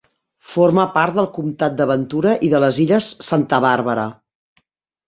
Forma part del comtat de Ventura i de les illes Santa Bàrbara.